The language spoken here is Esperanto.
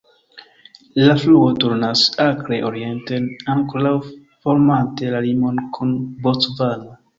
La fluo turnas akre orienten, ankoraŭ formante la limon kun Bocvano.